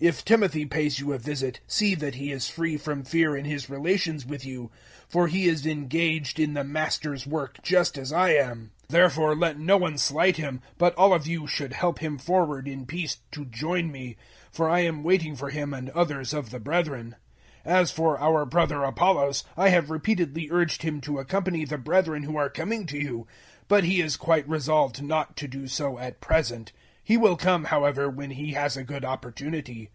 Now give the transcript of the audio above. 016:010 If Timothy pays you a visit, see that he is free from fear in his relations with you; for he is engaged in the Master's work just as I am. 016:011 Therefore let no one slight him, but all of you should help him forward in peace to join me; for I am waiting for him and others of the brethren. 016:012 As for our brother Apollos, I have repeatedly urged him to accompany the brethren who are coming to you: but he is quite resolved not to do so at present. He will come, however, when he has a good opportunity.